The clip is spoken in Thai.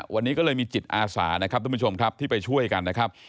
วันนี้ก็เลยมีจิตอาสานะครับทุกผู้ชมครับที่ไปช่วยกันนะครับ